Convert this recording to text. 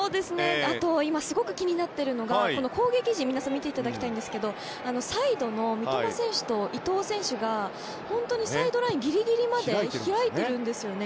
あと、今すごく気になっているのが攻撃陣を見ていただきたいんですがサイドの三笘選手と伊東選手が本当にサイドラインギリギリまで開いているんですね。